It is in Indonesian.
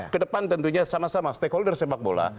kedepan tentunya sama sama stakeholder sepak bola